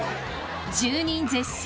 住人絶賛！